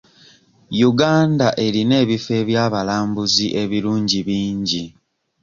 Uganda erina ebifo eby'abalambuzi ebirungi bingi.